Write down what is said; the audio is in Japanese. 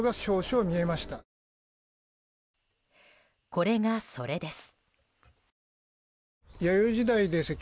これが、それです。